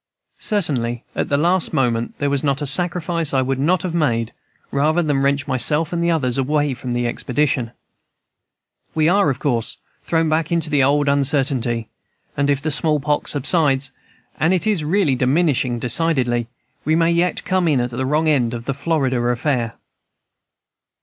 Certainly at the last moment there was not a sacrifice I would not have made rather than wrench myself and others away from the expedition. We are, of course, thrown back into the old uncertainty, and if the small pox subsides (and it is really diminishing decidedly) we may yet come in at the wrong end of the Florida affair."